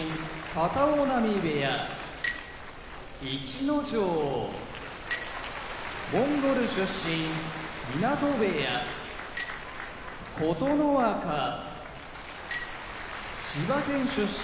片男波部屋逸ノ城モンゴル出身湊部屋琴ノ若千葉県出身